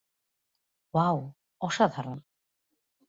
Wow, অসাধারণ।